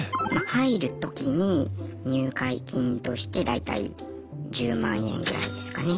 入るときに入会金として大体１０万円ぐらいですかね。